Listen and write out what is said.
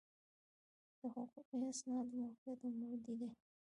د حقوقي اسنادو موقعیت عمودي دی.